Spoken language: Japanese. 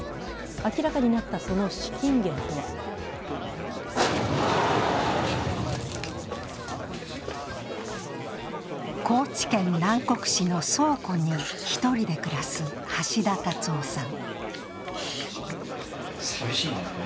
明らかになったその資金源とは高知県南国市の倉庫に１人で暮らす橋田達夫さん。